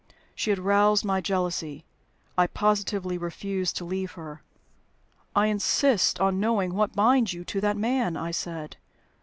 She had roused my jealousy. I positively refused to leave her. "I insist on knowing what binds you to that man," I said.